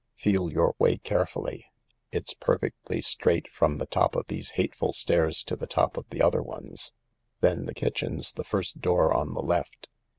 Feel your way carefully. It's perfectly straight from the top of these hateful stairs to the top of the other ones. Then the kitchen's the first door on the left.